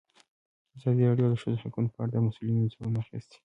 ازادي راډیو د د ښځو حقونه په اړه د مسؤلینو نظرونه اخیستي.